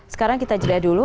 sekarang kita jeda dulu